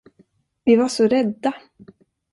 Vi var så rädda.